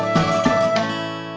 ini waktu berhasil